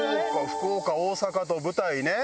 福岡大阪と舞台ね。